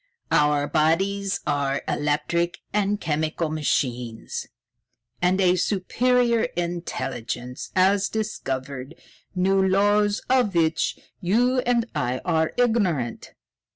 Our bodies are electric and chemical machines; and a super intelligence has discovered new laws of which you and I are ignorant."